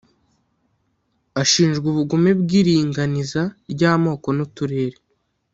Ashinjwa ubugome bw’iringaniza ry’amoko n’uturere